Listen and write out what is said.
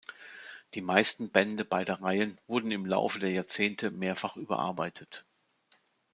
Die meisten Bände beider Reihen wurden im Laufe der Jahrzehnte mehrfach überarbeitet.